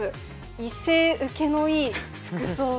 異性受けのいい服装は。